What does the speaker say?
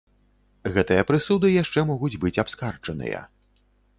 Гэтыя прысуды яшчэ могуць быць абскарджаныя.